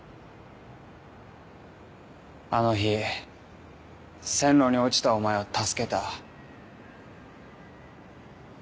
あの日線路に落ちたお前を助けた。